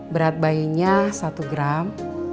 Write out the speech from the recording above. berat bayinya satu gram